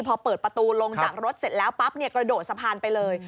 พอเปิดประตูลงจากรถเสร็จแล้วปั๊บกระโดดสะพานไปเลย